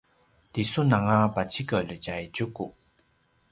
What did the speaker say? ti sun anga pacikel tjay Tjuku